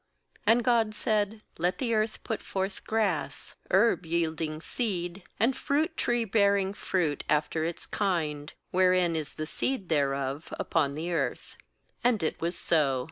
nAnd God said: 'Let the earth put forth grass, herb yielding seed, and fruit tree bearing fruit after its kind, wherein is the seed thereof, upon the earth.' And it was so.